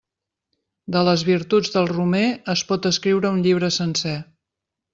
De les virtuts del romer es pot escriure un llibre sencer.